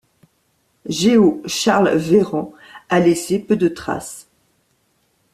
Géo-Charles Véran a laissé peu de traces.